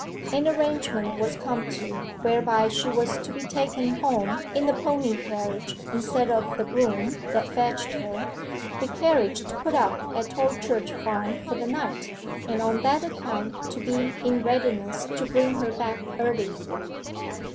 An arrangement was come to whereby she was to be taken home in the pony carriage instead of the brougham that fetched her; the carriage to put up at Tolchurch farm for the night, and on that account to be in readiness to bring her back earlier.